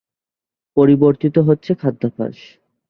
পরিবর্তিত হচ্ছে খাদ্যাভ্যাস।